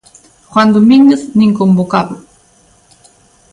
Juan Domínguez, nin convocado.